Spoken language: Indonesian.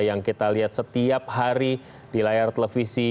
yang kita lihat setiap hari di layar televisi